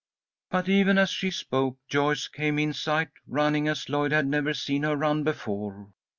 But even as she spoke, Joyce came in sight, running as Lloyd had never seen her run before.